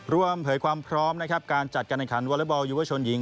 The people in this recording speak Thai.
ร่วมเหยื่อความพร้อมนะครับการจัดการการวอลเล็กบอลยูเวอร์ชนหญิง